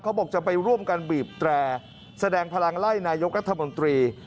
เขาบอกจะไปร่วมกันบีบแตรแสดงพลังไล่นายกรัฐมนตรี